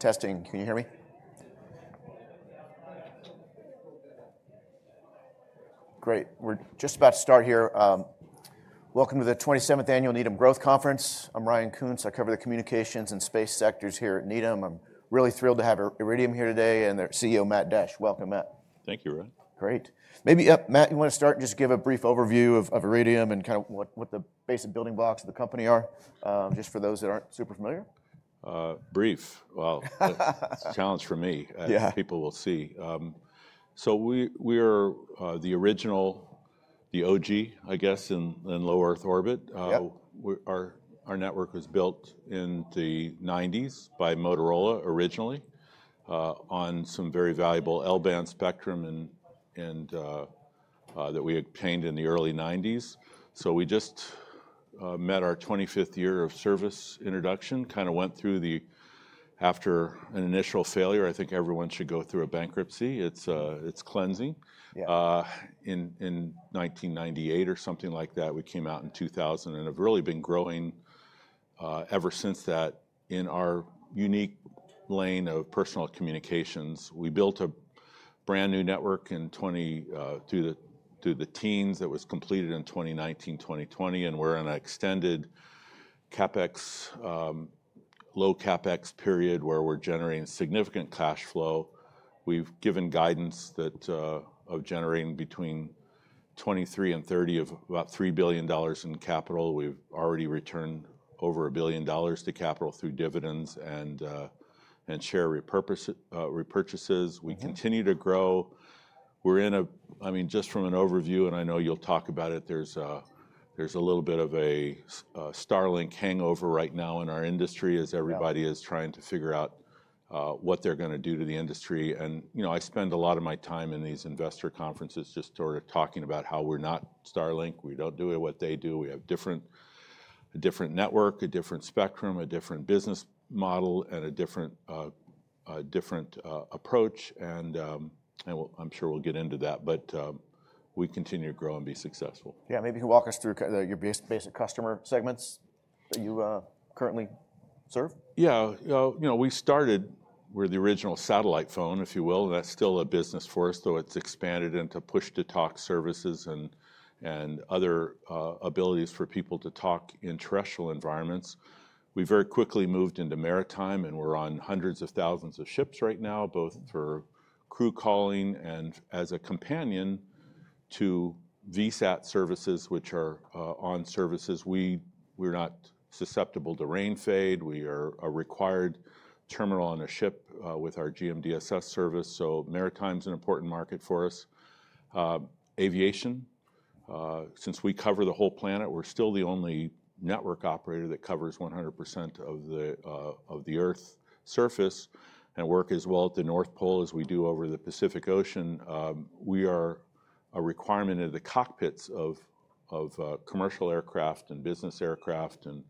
Testing. Can you hear me? Great. We're just about to start here. Welcome to the 27th Annual Needham Growth Conference. I'm Ryan Koontz. I cover the Communications and Space sectors here at Needham. I'm really thrilled to have Iridium here today and their CEO, Matt Desch. Welcome, Matt. Thank you, Ryan. Great. Maybe, Matt, you want to start and just give a brief overview of Iridium and kind of what the basic building blocks of the company are, just for those that aren't super familiar? Brief. Well, that's a challenge for me. Yeah. As people will see. So we are the original, the OG, I guess, in Low Earth orbit. Our network was built in the 1990s by Motorola originally on some very valuable L-band spectrum that we obtained in the early 1990s. So we just met our 25th year of service introduction, kind of went through the, after an initial failure, I think everyone should go through a bankruptcy. It's cleansing. In 1998 or something like that, we came out in 2000 and have really been growing ever since that in our unique lane of personal communications. We built a brand new network through the teens that was completed in 2019, 2020, and we're in an extended CapEx, low CapEx period where we're generating significant cash flow. We've given guidance of generating between 2023 and 2030 of about $3 billion in capital. We've already returned over $1 billion to capital through dividends and share repurchases. We continue to grow. We're in a, I mean, just from an overview, and I know you'll talk about it. There's a little bit of a Starlink hangover right now in our industry as everybody is trying to figure out what they're going to do to the industry. I spend a lot of my time in these investor conferences just sort of talking about how we're not Starlink. We don't do what they do. We have a different network, a different spectrum, a different business model, and a different approach. I'm sure we'll get into that. We continue to grow and be successful. Yeah. Maybe you can walk us through your basic customer segments that you currently serve? Yeah. You know, we started, we're the original satellite phone, if you will. And that's still a business for us, though it's expanded into push-to-talk services and other abilities for people to talk in terrestrial environments. We very quickly moved into maritime, and we're on hundreds of thousands of ships right now, both for crew calling and as a companion to VSAT services, which are services which are not susceptible to rain fade. We are a required terminal on a ship with our GMDSS service. So maritime is an important market for us. Aviation, since we cover the whole planet, we're still the only network operator that covers 100% of the Earth's surface and work as well at the North Pole as we do over the Pacific Ocean. We are a requirement in the cockpits of commercial aircraft and business aircraft and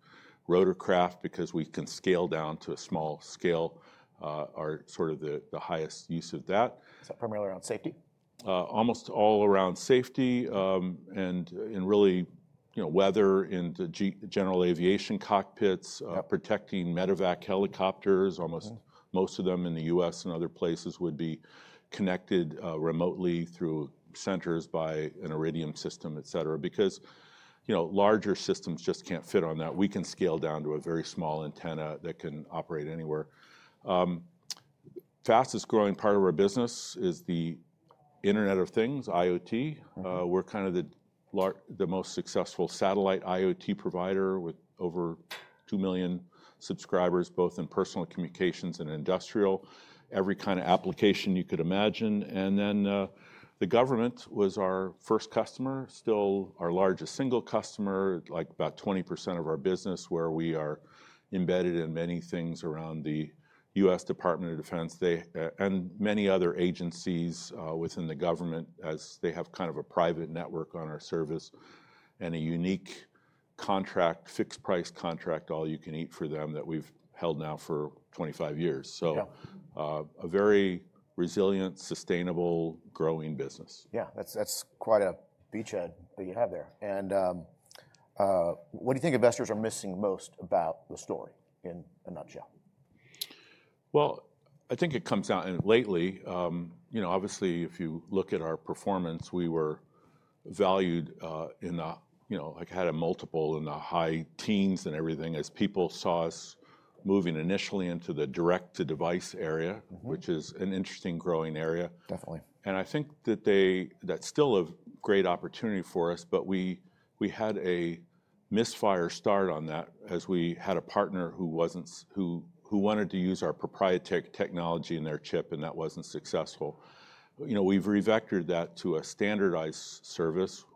rotorcraft because we can scale down to a small scale. Ours is sort of the highest use of that. Is that primarily around safety? Almost all around safety and in real bad weather and general aviation cockpits, protecting medevac helicopters. Most of them in the U.S. and other places would be connected remotely through centers by an Iridium system, et cetera, because larger systems just can't fit on that. We can scale down to a very small antenna that can operate anywhere. Fastest growing part of our business is the Internet of Things, IoT. We're kind of the most successful satellite IoT provider with over 2 million subscribers, both in personal communications and industrial, every kind of application you could imagine. And then the government was our first customer, still our largest single customer, like about 20% of our business, where we are embedded in many things around the U.S. Department of Defense and many other agencies within the government as they have kind of a private network on our service and a unique contract, fixed-price contract, all-you-can-eat for them that we've held now for 25 years. So a very resilient, sustainable, growing business. Yeah. That's quite a beachhead that you have there. What do you think investors are missing most about the story in a nutshell? I think it comes down to, lately, obviously, if you look at our performance, we were valued in, like had a multiple in the high teens and everything as people saw us moving initially into the direct-to-device area, which is an interesting growing area. Definitely. I think that they still have great opportunity for us, but we had a misfire start on that as we had a partner who wanted to use our proprietary technology in their chip, and that wasn't successful. We've revectored that to a standardized service.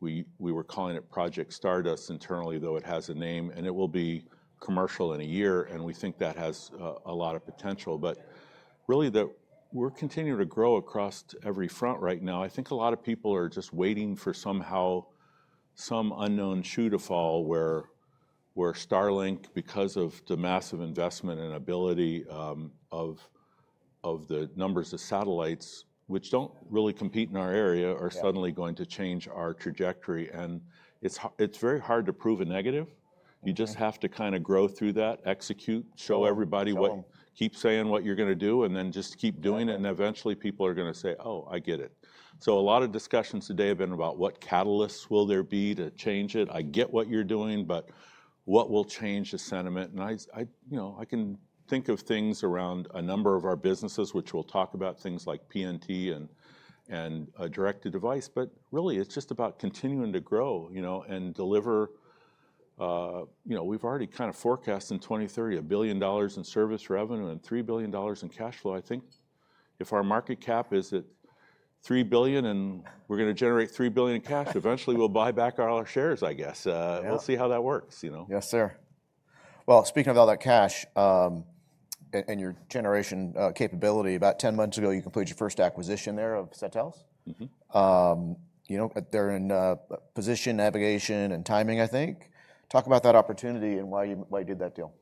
We were calling it Project Stardust internally, though it has a name, and it will be commercial in a year. And we think that has a lot of potential. But really, we're continuing to grow across every front right now. I think a lot of people are just waiting for somehow some unknown shoe to fall where Starlink, because of the massive investment and ability of the numbers of satellites, which don't really compete in our area, are suddenly going to change our trajectory. And it's very hard to prove a negative. You just have to kind of grow through that, execute, show everybody what you keep saying what you're going to do, and then just keep doing it. And eventually, people are going to say, "Oh, I get it." So a lot of discussions today have been about what catalysts will there be to change it. I get what you're doing, but what will change the sentiment? And I can think of things around a number of our businesses, which we'll talk about, things like PNT and direct-to-device. But really, it's just about continuing to grow and deliver. We've already kind of forecast in 2030 $1 billion in service revenue and $3 billion in cash flow. I think if our market cap is at $3 billion and we're going to generate $3 billion in cash, eventually we'll buy back all our shares, I guess. We'll see how that works. Yes, sir. Well, speaking of all that cash and your generation capability, about 10 months ago, you completed your first acquisition there of Satelles, Inc. They're in Position, Navigation, and Timing, I think. Talk about that opportunity and why you did that deal.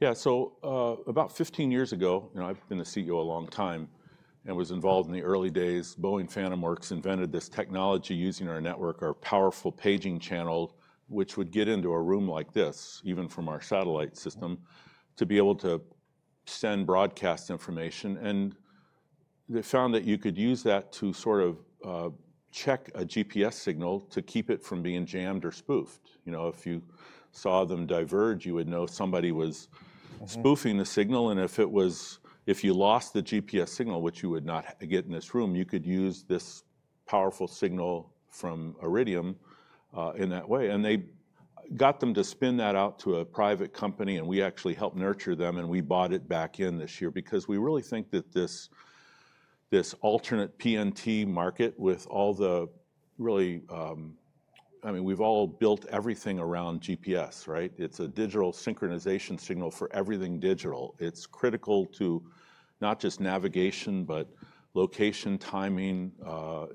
Yeah. So about 15 years ago, I've been the CEO a long time and was involved in the early days. Boeing Phantom Works invented this technology using our network, our powerful paging channel, which would get into a room like this, even from our satellite system, to be able to send broadcast information. And they found that you could use that to sort of check a GPS signal to keep it from being jammed or spoofed. If you saw them diverge, you would know somebody was spoofing the signal. And if you lost the GPS signal, which you would not get in this room, you could use this powerful signal from Iridium in that way. And they got them to spin that out to a private company. We actually helped nurture them, and we bought it back in this year because we really think that this alternate PNT market with all the really, I mean, we've all built everything around GPS, right? It's a digital synchronization signal for everything digital. It's critical to not just navigation, but location, timing.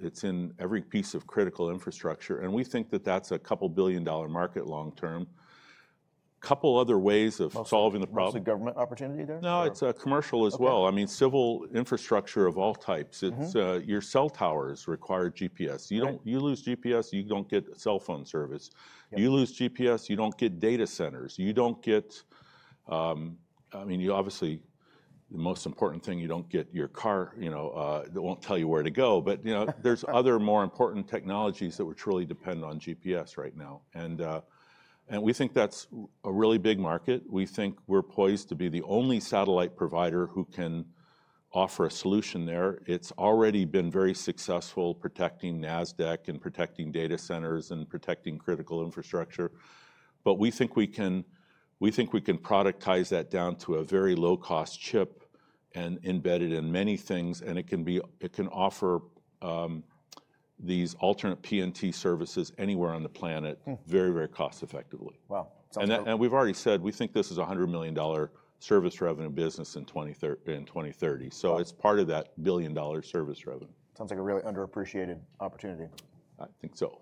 It's in every piece of critical infrastructure. And we think that that's a couple billion dollar market long-term. A couple other ways of solving the problem. Is it a government opportunity there? No, it's a commercial as well. I mean, civil infrastructure of all types. Your cell towers require GPS. You lose GPS, you don't get cell phone service. You lose GPS, you don't get data centers. You don't get, I mean, obviously, the most important thing, you don't get your car that won't tell you where to go. But there's other more important technologies that would truly depend on GPS right now. And we think that's a really big market. We think we're poised to be the only satellite provider who can offer a solution there. It's already been very successful protecting Nasdaq and protecting data centers and protecting critical infrastructure. But we think we can productize that down to a very low-cost chip and embed it in many things. And it can offer these alternate PNT services anywhere on the planet very, very cost-effectively. Wow. We've already said we think this is a $100 million service revenue business in 2030. It's part of that $1 billion service revenue. Sounds like a really underappreciated opportunity. I think so.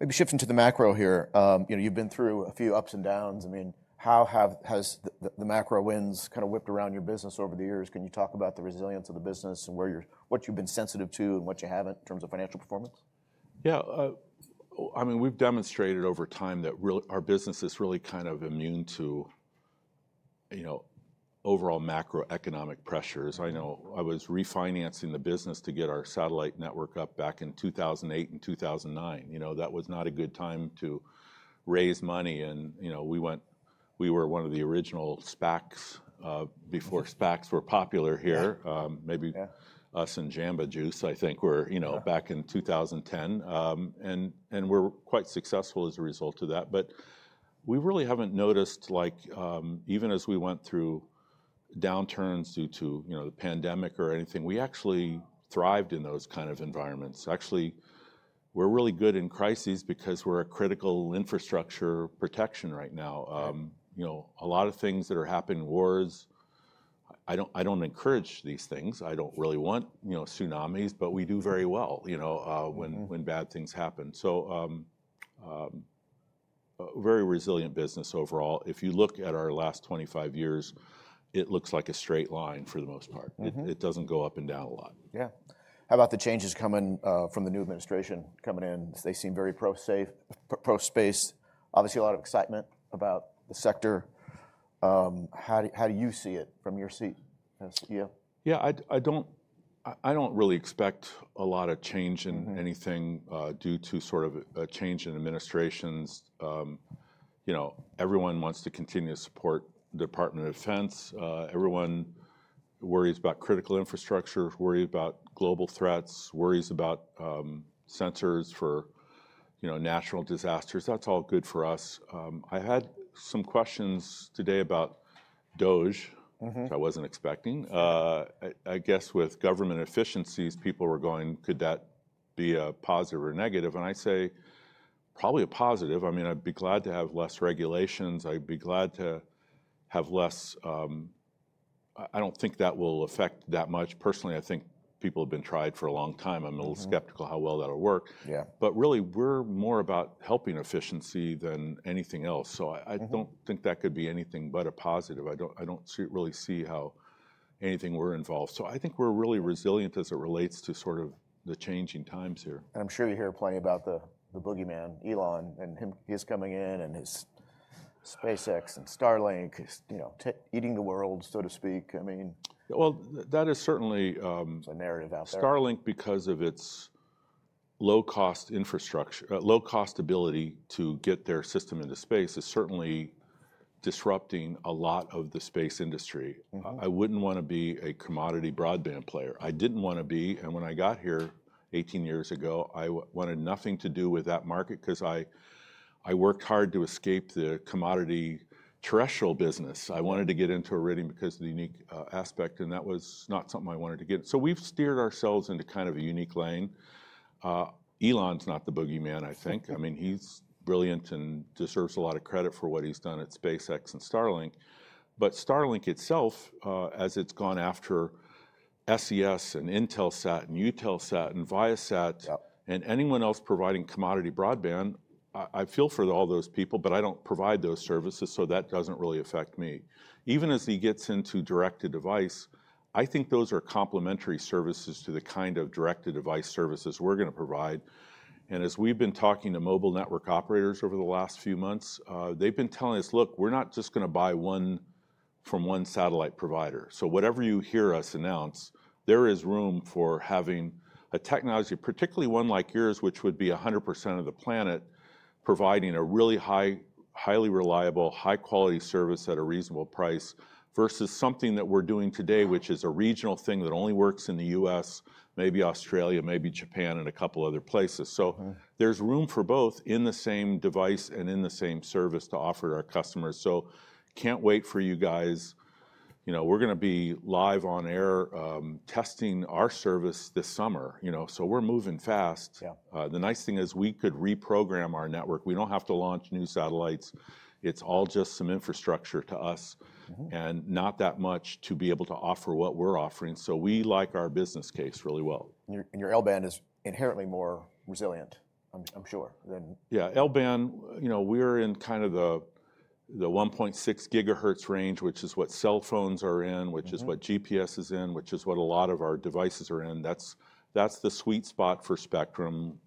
Maybe shifting to the macro here. You've been through a few ups and downs. I mean, how have the macro winds kind of whipped around your business over the years? Can you talk about the resilience of the business and what you've been sensitive to and what you haven't in terms of financial performance? Yeah. I mean, we've demonstrated over time that our business is really kind of immune to overall macroeconomic pressures. I know I was refinancing the business to get our satellite network up back in 2008 and 2009. That was not a good time to raise money, and we were one of the original SPACs before SPACs were popular here. Maybe us and Jamba Juice, I think, were back in 2010. And we're quite successful as a result of that. But we really haven't noticed, even as we went through downturns due to the pandemic or anything. We actually thrived in those kind of environments. Actually, we're really good in crises because we're a critical infrastructure protection right now. A lot of things that are happening, wars, I don't encourage these things. I don't really want tsunamis, but we do very well when bad things happen. So very resilient business overall. If you look at our last 25 years, it looks like a straight line for the most part. It doesn't go up and down a lot. Yeah. How about the changes coming from the new administration coming in? They seem very pro-space. Obviously, a lot of excitement about the sector. How do you see it from your seat as CEO? Yeah. I don't really expect a lot of change in anything due to sort of a change in administrations. Everyone wants to continue to support the Department of Defense. Everyone worries about critical infrastructure, worries about global threats, worries about sensors for natural disasters. That's all good for us. I had some questions today about DOGE, which I wasn't expecting. I guess with government efficiencies, people were going, could that be a positive or negative? And I say probably a positive. I mean, I'd be glad to have less regulations. I'd be glad to have less. I don't think that will affect that much. Personally, I think people have been tired for a long time. I'm a little skeptical how well that'll work. But really, we're more about helping efficiency than anything else. So I don't think that could be anything but a positive. I don't really see how anything we're involved. So I think we're really resilient as it relates to sort of the changing times here. And I'm sure you hear plenty about the boogeyman, Elon, and he's coming in and his SpaceX and Starlink is eating the world, so to speak. I mean. That is certainly. There's a narrative out there. Starlink, because of its low-cost ability to get their system into space, is certainly disrupting a lot of the space industry. I wouldn't want to be a commodity broadband player. I didn't want to be. And when I got here 18 years ago, I wanted nothing to do with that market because I worked hard to escape the commodity terrestrial business. I wanted to get into Iridium because of the unique aspect, and that was not something I wanted to get. So we've steered ourselves into kind of a unique lane. Elon's not the boogeyman, I think. I mean, he's brilliant and deserves a lot of credit for what he's done at SpaceX and Starlink. But Starlink itself, as it's gone after SES and Intelsat and Eutelsat and Viasat and anyone else providing commodity broadband, I feel for all those people, but I don't provide those services, so that doesn't really affect me. Even as he gets into direct-to-device, I think those are complementary services to the kind of direct-to-device services we're going to provide. As we've been talking to mobile network operators over the last few months, they've been telling us, "Look, we're not just going to buy one from one satellite provider." So whatever you hear us announce, there is room for having a technology, particularly one like yours, which would be 100% of the planet, providing a really highly reliable, high-quality service at a reasonable price versus something that we're doing today, which is a regional thing that only works in the US, maybe Australia, maybe Japan, and a couple other places. So there's room for both in the same device and in the same service to offer to our customers. So, can't wait for you guys. We're going to be live on air testing our service this summer. So we're moving fast. The nice thing is we could reprogram our network. We don't have to launch new satellites. It's all just some infrastructure to us and not that much to be able to offer what we're offering, so we like our business case really well. Your L-band is inherently more resilient, I'm sure, than. Yeah. L-band, we're in kind of the 1.6 GHz range, which is what cell phones are in, which is what GPS is in, which is what a lot of our devices are in. That's the sweet spot for spectrum.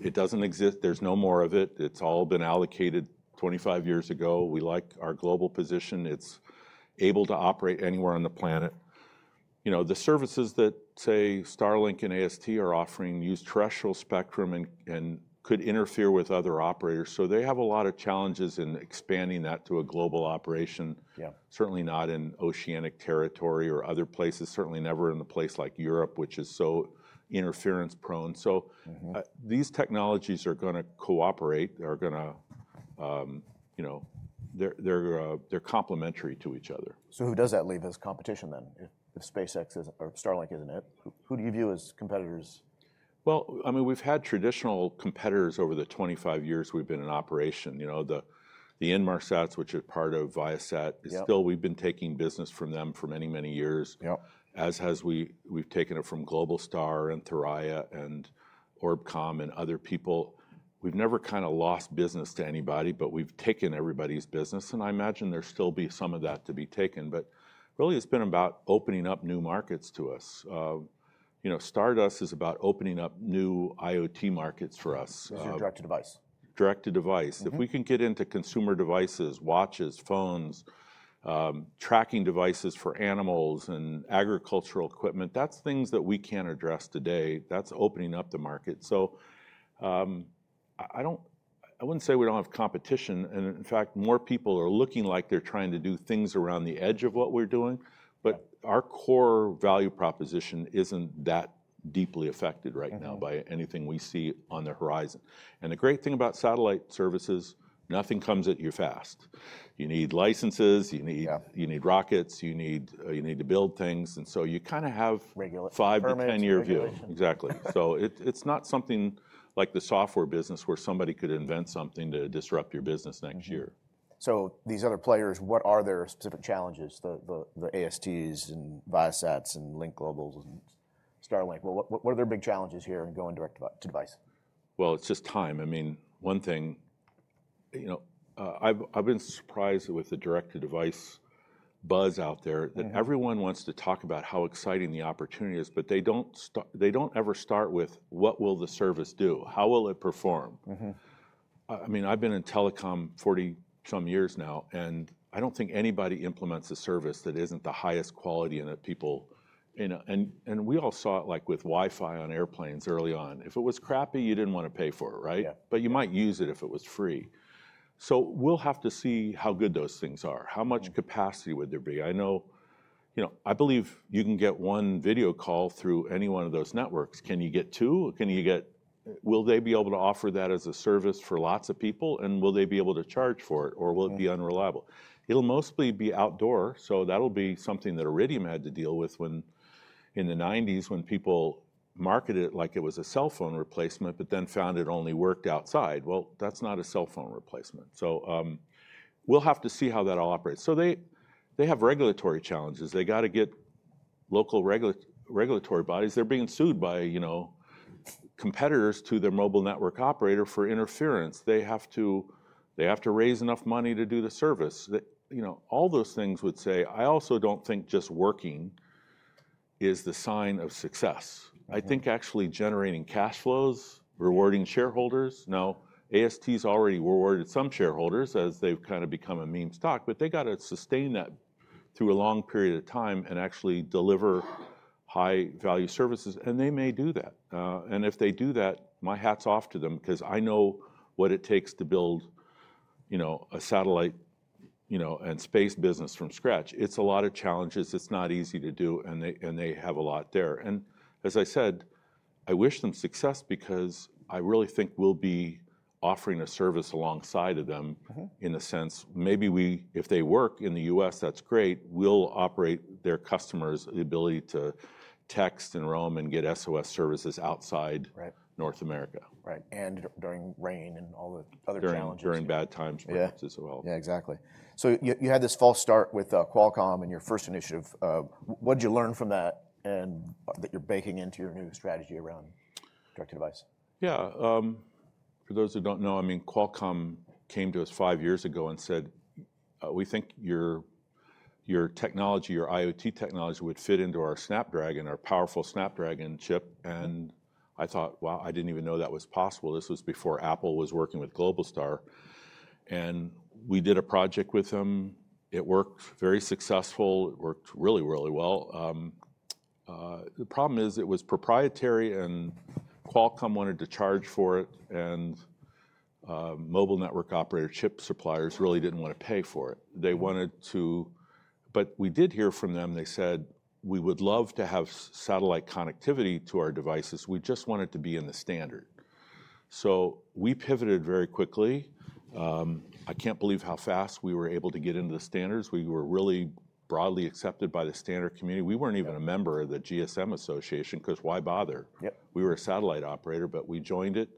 It doesn't exist. There's no more of it. It's all been allocated 25 years ago. We like our global position. It's able to operate anywhere on the planet. The services that, say, Starlink and AST are offering use terrestrial spectrum and could interfere with other operators. So they have a lot of challenges in expanding that to a global operation, certainly not in oceanic territory or other places, certainly never in a place like Europe, which is so interference-prone. So these technologies are going to cooperate. They're complementary to each other. So who does that leave as competition then if SpaceX or Starlink isn't it? Who do you view as competitors? Well, I mean, we've had traditional competitors over the 25 years we've been in operation. The Inmarsat, which is part of Viasat, still we've been taking business from them for many, many years. As has, we've taken it from Globalstar and Thuraya and Orbcomm and other people. We've never kind of lost business to anybody, but we've taken everybody's business. And I imagine there'll still be some of that to be taken. But really, it's been about opening up new markets to us. Stardust is about opening up new IoT markets for us. These are direct-to-device. Direct-to-Device. If we can get into consumer devices, watches, phones, tracking devices for animals, and agricultural equipment, that's things that we can address today. That's opening up the market. So I wouldn't say we don't have competition. And in fact, more people are looking like they're trying to do things around the edge of what we're doing. But our core value proposition isn't that deeply affected right now by anything we see on the horizon. And the great thing about satellite services, nothing comes at you fast. You need licenses. You need rockets. You need to build things. And so you kind of have five to 10-year view. Exactly. So it's not something like the software business where somebody could invent something to disrupt your business next year. These other players, what are their specific challenges, the ASTs and Viasat and Lynk Global and Starlink? What are their big challenges here in going direct-to-device? It's just time. I mean, one thing, I've been surprised with the direct-to-device buzz out there that everyone wants to talk about how exciting the opportunity is, but they don't ever start with what will the service do? How will it perform? I mean, I've been in telecom 40-some years now, and I don't think anybody implements a service that isn't the highest quality and that people and we all saw it like with Wi-Fi on airplanes early on. If it was crappy, you didn't want to pay for it, right? But you might use it if it was free. So we'll have to see how good those things are. How much capacity would there be? I believe you can get one video call through any one of those networks. Can you get two? Will they be able to offer that as a service for lots of people? And will they be able to charge for it, or will it be unreliable? It'll mostly be outdoor. So that'll be something that Iridium had to deal with in the '90s when people marketed it like it was a cell phone replacement, but then found it only worked outside. Well, that's not a cell phone replacement. So we'll have to see how that all operates. So they have regulatory challenges. They got to get local regulatory bodies. They're being sued by competitors to their mobile network operator for interference. They have to raise enough money to do the service. All those things would say, I also don't think just working is the sign of success. I think actually generating cash flows, rewarding shareholders. Now, AST's already rewarded some shareholders as they've kind of become a meme stock, but they got to sustain that through a long period of time and actually deliver high-value services. And they may do that. And if they do that, my hat's off to them because I know what it takes to build a satellite and space business from scratch. It's a lot of challenges. It's not easy to do, and they have a lot there. And as I said, I wish them success because I really think we'll be offering a service alongside of them in a sense. Maybe if they work in the U.S., that's great. We'll operate their customers' ability to text and roam and get SOS services outside North America. Right, and during rain and all the other challenges. During bad times, for instance, as well. Yeah, exactly. So you had this false start with Qualcomm and your first initiative. What did you learn from that that you're baking into your new strategy around direct-to-device? Yeah. For those who don't know, I mean, Qualcomm came to us five years ago and said, "We think your technology, your IoT technology, would fit into our Snapdragon, our powerful Snapdragon chip." And I thought, "Wow, I didn't even know that was possible." This was before Apple was working with Globalstar. And we did a project with them. It worked very successful. It worked really, really well. The problem is it was proprietary, and Qualcomm wanted to charge for it, and mobile network operator chip suppliers really didn't want to pay for it. But we did hear from them. They said, "We would love to have satellite connectivity to our devices. We just want it to be in the standard." So we pivoted very quickly. I can't believe how fast we were able to get into the standards. We were really broadly accepted by the standard community. We weren't even a member of the GSM Association because why bother? We were a satellite operator, but we joined it.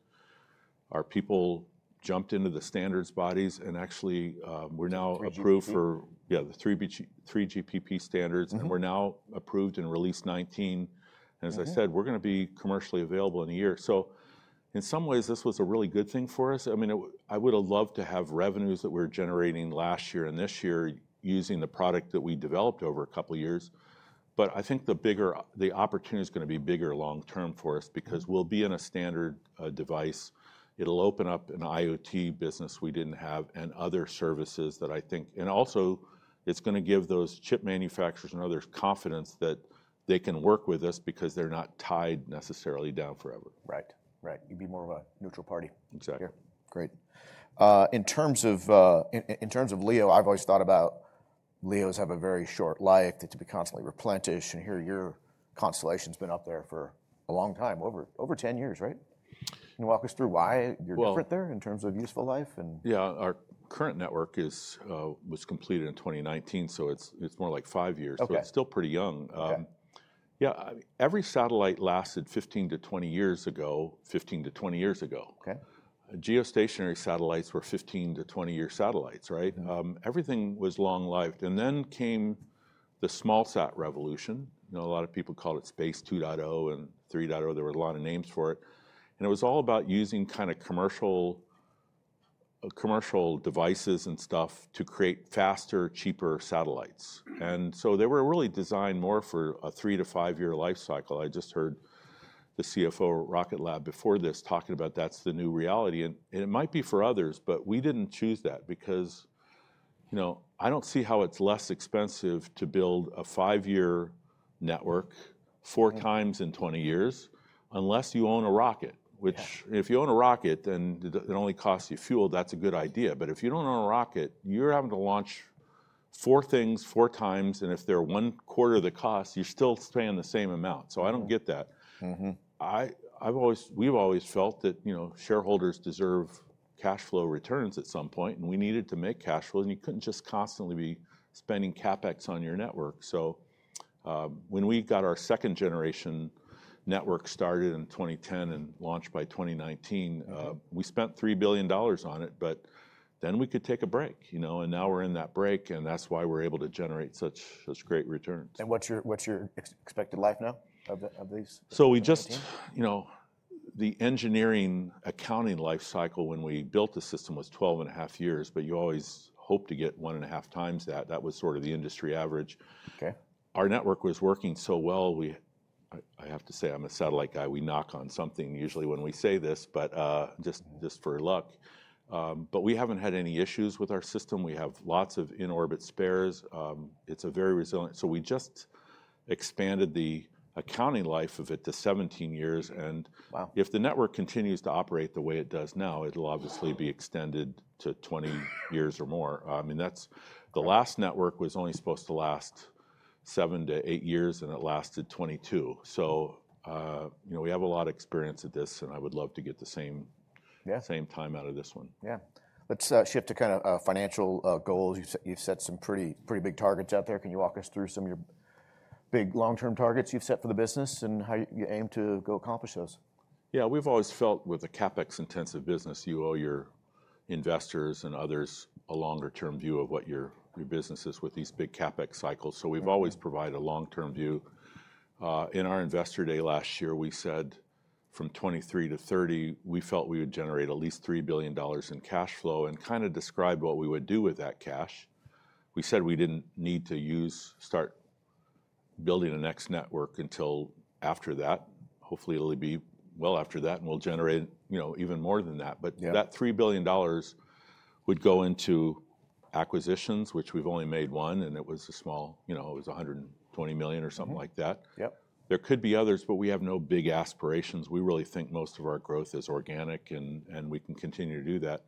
Our people jumped into the standards bodies, and actually, we're now approved for, yeah, the 3GPP standards, and we're now approved in Release 19, and as I said, we're going to be commercially available in a year, so in some ways, this was a really good thing for us. I mean, I would have loved to have revenues that we're generating last year and this year using the product that we developed over a couple of years, but I think the opportunity is going to be bigger long-term for us because we'll be in a standard device. It'll open up an IoT business we didn't have and other services that I think, and also, it's going to give those chip manufacturers and others confidence that they can work with us because they're not tied necessarily down forever. Right. Right. You'd be more of a neutral party here. Exactly. Great. In terms of LEO, I've always thought about LEOs have a very short life to be constantly replenished, and here, your constellation's been up there for a long time, over 10 years, right? Can you walk us through why you're different there in terms of useful life? Yeah. Our current network was completed in 2019, so it's more like five years, but it's still pretty young. Yeah. Every satellite lasted 15 to 20 years, 15 to 20 years ago. Geostationary satellites were 15 to 20-year satellites, right? Everything was long-lived. And then came the small-sat revolution. A lot of people called it Space 2.0 and 3.0. There were a lot of names for it. And it was all about using kind of commercial devices and stuff to create faster, cheaper satellites. And so they were really designed more for a three-to-five-year life cycle. I just heard the CFO of Rocket Lab before this talking about that's the new reality. It might be for others, but we didn't choose that because I don't see how it's less expensive to build a five-year network four times in 20 years unless you own a rocket, which if you own a rocket and it only costs you fuel, that's a good idea. If you don't own a rocket, you're having to launch four things four times, and if they're one quarter of the cost, you're still paying the same amount. So I don't get that. We've always felt that shareholders deserve cash flow returns at some point, and we needed to make cash flow. You couldn't just constantly be spending CapEx on your network. So when we got our second-generation network started in 2010 and launched by 2019, we spent $3 billion on it, but then we could take a break. And now we're in that break, and that's why we're able to generate such great returns. And what's your expected life now of these? So we just, the engineering accounting life cycle when we built the system was 12 and a half years, but you always hope to get one and a half times that. That was sort of the industry average. Our network was working so well. I have to say, I'm a satellite guy. We knock on wood usually when we say this, but just for luck. But we haven't had any issues with our system. We have lots of in-orbit spares. It's very resilient. So we just expanded the accounting life of it to 17 years. And if the network continues to operate the way it does now, it'll obviously be extended to 20 years or more. I mean, the last network was only supposed to last seven to eight years, and it lasted 22. So we have a lot of experience at this, and I would love to get the same time out of this one. Yeah. Let's shift to kind of financial goals. You've set some pretty big targets out there. Can you walk us through some of your big long-term targets you've set for the business and how you aim to go accomplish those? Yeah. We've always felt with a CapEx-intensive business, you owe your investors and others a longer-term view of what your business is with these big CapEx cycles. So we've always provided a long-term view. In our Investor Day last year, we said from 2023-2030, we felt we would generate at least $3 billion in cash flow and kind of described what we would do with that cash. We said we didn't need to start building a next network until after that. Hopefully, it'll be well after that, and we'll generate even more than that. But that $3 billion would go into acquisitions, which we've only made one, and it was a small, $120 million or something like that. There could be others, but we have no big aspirations. We really think most of our growth is organic, and we can continue to do that.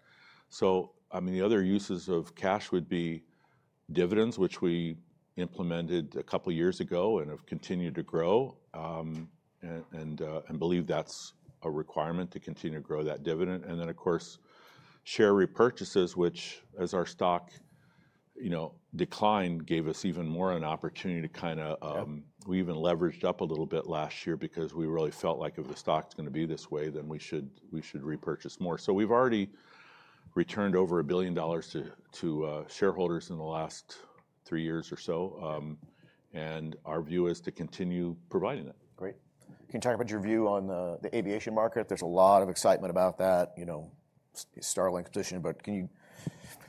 I mean, the other uses of cash would be dividends, which we implemented a couple of years ago and have continued to grow and believe that's a requirement to continue to grow that dividend. And then, of course, share repurchases, which as our stock declined, gave us even more an opportunity to kind of, we even leveraged up a little bit last year because we really felt like if the stock's going to be this way, then we should repurchase more. So we've already returned over $1 billion to shareholders in the last three years or so. And our view is to continue providing it. Great. Can you talk about your view on the aviation market? There's a lot of excitement about that Starlink position, but can you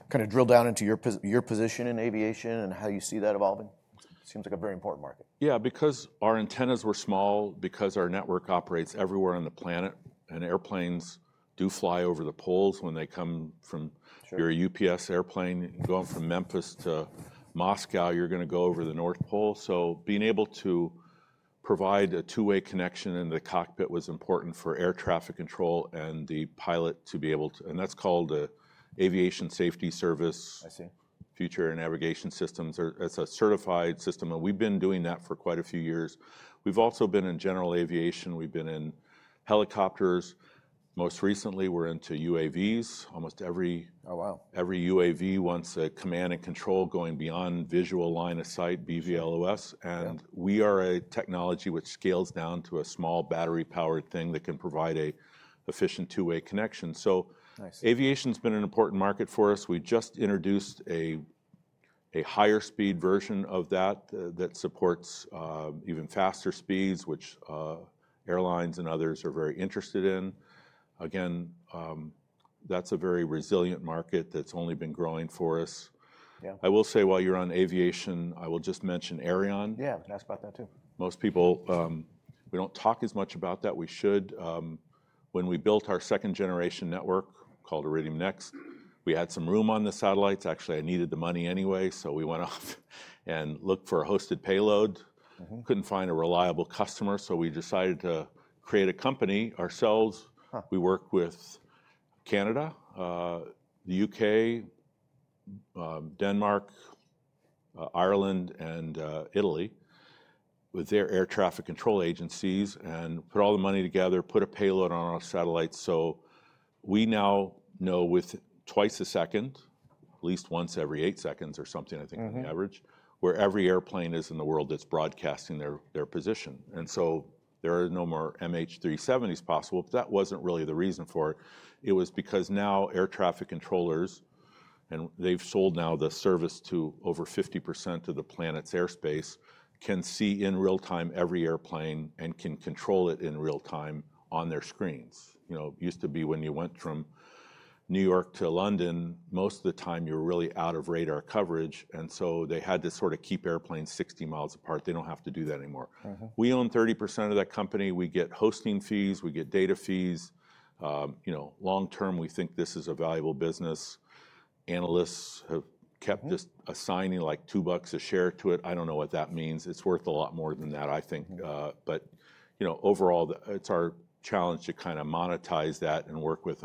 kind of drill down into your position in aviation and how you see that evolving? Seems like a very important market. Yeah, because our antennas were small, because our network operates everywhere on the planet, and airplanes do fly over the poles when they come from your UPS airplane going from Memphis to Moscow, you're going to go over the North Pole. So being able to provide a two-way connection in the cockpit was important for air traffic control and the pilot to be able to, and that's called the Aviation Safety Service, Future Air Navigation Systems. It's a certified system, and we've been doing that for quite a few years. We've also been in general aviation. We've been in helicopters. Most recently, we're into UAVs. Almost every UAV wants a command-and-control going Beyond Visual Line of Sight, BVLOS. And we are a technology which scales down to a small battery-powered thing that can provide an efficient two-way connection. So aviation has been an important market for us. We just introduced a higher-speed version of that that supports even faster speeds, which airlines and others are very interested in. Again, that's a very resilient market that's only been growing for us. I will say while you're on aviation, I will just mention Aireon. Yeah, I asked about that too. Most people, we don't talk as much about that. We should. When we built our second-generation network called Iridium NEXT, we had some room on the satellites. Actually, I needed the money anyway, so we went off and looked for a hosted payload. Couldn't find a reliable customer, so we decided to create a company ourselves. We worked with Canada, the UK, Denmark, Ireland, and Italy with their air traffic control agencies and put all the money together, put a payload on our satellites. So we now know with twice a second, at least once every eight seconds or something, I think the average, where every airplane is in the world that's broadcasting their position. And so there are no more MH370s possible. But that wasn't really the reason for it. It was because now air traffic controllers, and they've sold now the service to over 50% of the planet's airspace, can see in real time every airplane and can control it in real time on their screens. It used to be when you went from New York to London, most of the time you were really out of radar coverage. So they had to sort of keep airplanes 60 mi apart. They don't have to do that anymore. We own 30% of that company. We get hosting fees. We get data fees. Long-term, we think this is a valuable business. Analysts have kept assigning like $2 a share to it. I don't know what that means. It's worth a lot more than that. But overall, it's our challenge to kind of monetize that and work with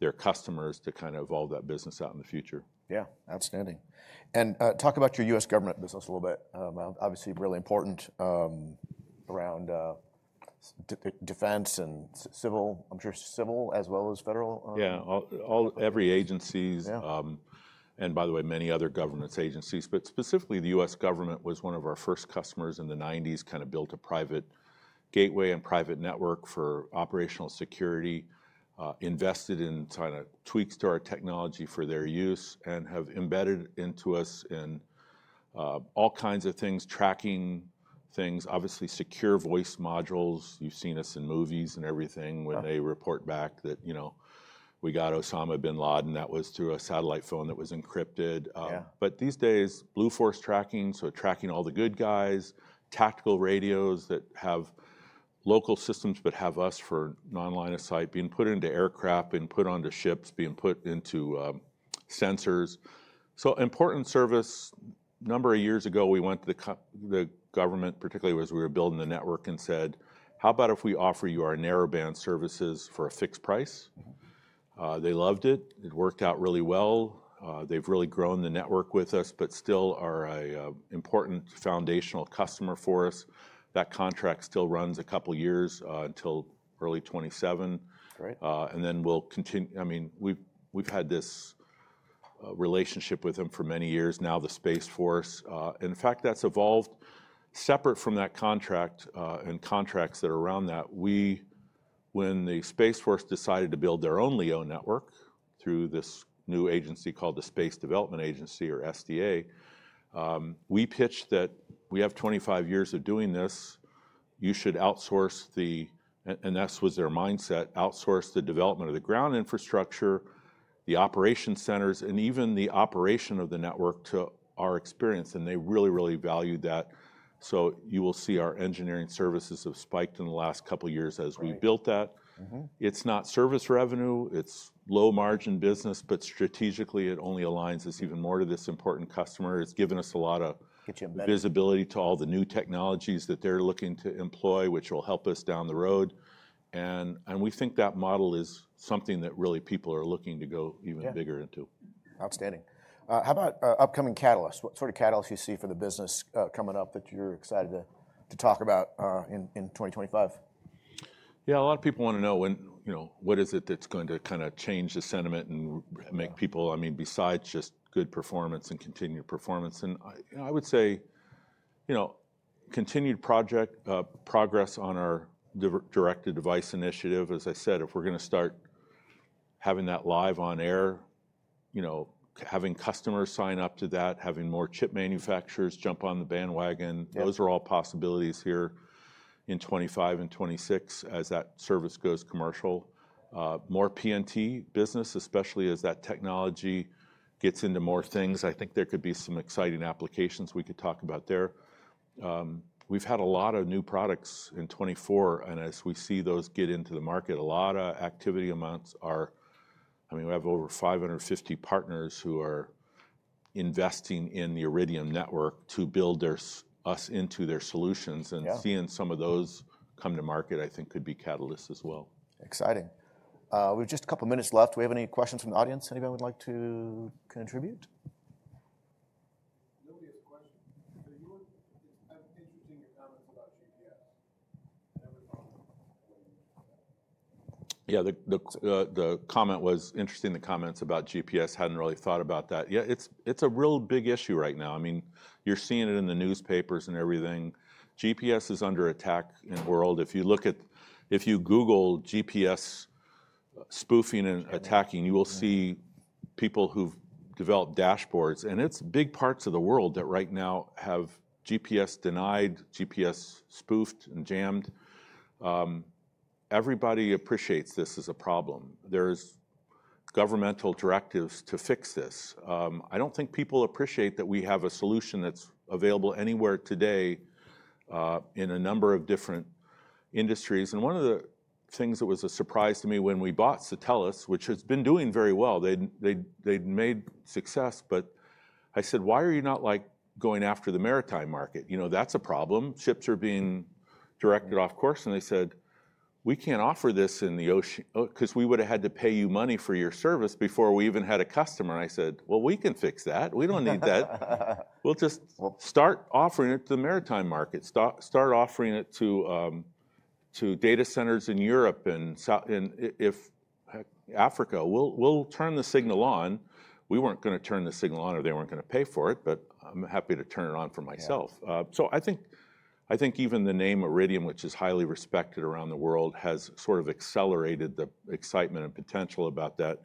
their customers to kind of evolve that business out in the future. Yeah. Outstanding. And talk about your U.S. government business a little bit. Obviously, really important around Defense and Civil. I'm sure Civil as well as Federal. Yeah. Every agencies, and by the way, many other government agencies, but specifically the U.S. government was one of our first customers in the 1990s, kind of built a private gateway and private network for operational security, invested in kind of tweaks to our technology for their use, and have embedded into us in all kinds of things, tracking things, obviously secure voice modules. You've seen us in movies and everything when they report back that we got Osama bin Laden. That was through a satellite phone that was encrypted. But these days, Blue Force Tracking, so tracking all the good guys, tactical radios that have local systems but have us for non-line of sight being put into aircraft, being put onto ships, being put into sensors. So important service. A number of years ago, we went to the government, particularly as we were building the network, and said, "How about if we offer you our narrowband services for a fixed price?" They loved it. It worked out really well. They've really grown the network with us, but still are an important foundational customer for us. That contract still runs a couple of years until early 2027, and then we'll continue. I mean, we've had this relationship with them for many years, now the Space Force. In fact, that's evolved separate from that contract and contracts that are around that. When the Space Force decided to build their own LEO network through this new agency called the Space Development Agency or SDA, we pitched that we have 25 years of doing this. You should outsource the, and that was their mindset, outsource the development of the ground infrastructure, the operation centers, and even the operation of the network to our experience. And they really, really valued that. So you will see our engineering services have spiked in the last couple of years as we built that. It's not service revenue. It's low-margin business, but strategically, it only aligns us even more to this important customer. It's given us a lot of visibility to all the new technologies that they're looking to employ, which will help us down the road. And we think that model is something that really people are looking to go even bigger into. Outstanding. How about upcoming catalysts? What sort of catalysts you see for the business coming up that you're excited to talk about in 2025? Yeah. A lot of people want to know what is it that's going to kind of change the sentiment and make people, I mean, besides just good performance and continued performance. I would say continued project progress on our direct-to-device initiative. As I said, if we're going to start having that live on air, having customers sign up to that, having more chip manufacturers jump on the bandwagon, those are all possibilities here in 2025 and 2026 as that service goes commercial. More PNT business, especially as that technology gets into more things. I think there could be some exciting applications we could talk about there. We've had a lot of new products in 2024, and as we see those get into the market, a lot of activity amounts are, I mean, we have over 550 partners who are investing in the Iridium network to build us into their solutions. And seeing some of those come to market, I think could be catalysts as well. Exciting. We have just a couple of minutes left. Do we have any questions from the audience? Anybody would like to contribute? Yeah. The comment was interesting. The comments about GPS, I hadn't really thought about that. Yeah, it's a real big issue right now. I mean, you're seeing it in the newspapers and everything. GPS is under attack in the world. If you look at, if you Google GPS spoofing and attacking, you will see people who've developed dashboards. And it's big parts of the world that right now have GPS denied, GPS spoofed, and jammed. Everybody appreciates this as a problem. There's governmental directives to fix this. I don't think people appreciate that we have a solution that's available anywhere today in a number of different industries. And one of the things that was a surprise to me when we bought Satelles, which has been doing very well, they'd made success, but I said, "Why are you not like going after the maritime market? You know, that's a problem. Ships are being directed off course." And they said, "We can't offer this in the ocean because we would have had to pay you money for your service before we even had a customer." And I said, "Well, we can fix that. We don't need that. We'll just start offering it to the maritime market. Start offering it to data centers in Europe and Africa. We'll turn the signal on." We weren't going to turn the signal on or they weren't going to pay for it, but I'm happy to turn it on for myself. So I think even the name Iridium, which is highly respected around the world, has sort of accelerated the excitement and potential about that.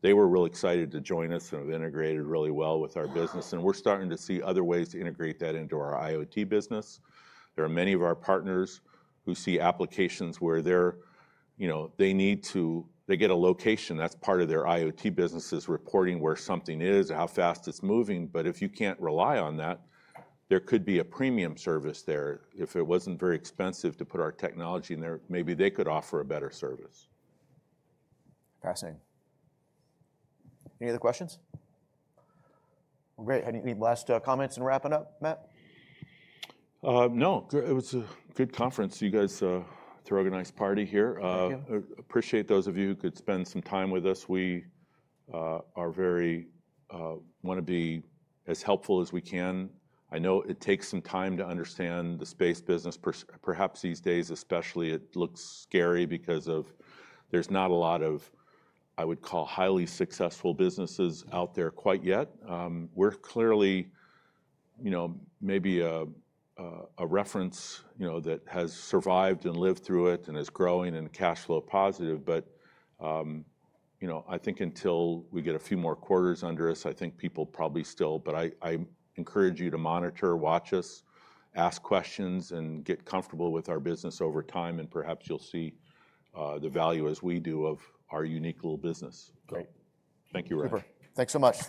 They were real excited to join us and have integrated really well with our business. And we're starting to see other ways to integrate that into our IoT business. There are many of our partners who see applications where they need to get a location. That's part of their IoT business, is reporting where something is, how fast it's moving. But if you can't rely on that, there could be a premium service there. If it wasn't very expensive to put our technology in there, maybe they could offer a better service. Fascinating. Any other questions? Well, great. Any last comments in wrapping up, Matt? No. It was a good conference. You guys threw a nice party here. Appreciate those of you who could spend some time with us. We want to be as helpful as we can. I know it takes some time to understand the space business. Perhaps these days, especially, it looks scary because there's not a lot of, I would call, highly successful businesses out there quite yet. We're clearly maybe a reference that has survived and lived through it and is growing and cash flow positive. But I think until we get a few more quarters under us, but I encourage you to monitor, watch us, ask questions, and get comfortable with our business over time, and perhaps you'll see the value as we do of our unique little business. Great. Thank you, Ryan. Super. Thanks so much.